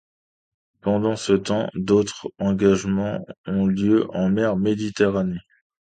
Pendant ce temps, d'autres engagements ont lieu en mer Méditerranée.